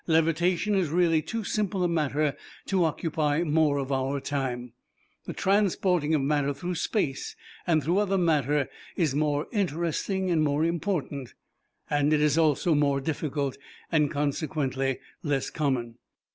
Levitation is really too simple a matter to occupy more of our time. The transporting of matter through space and through other matter is more interesting and more important. It is also more difficult, and consequently less common.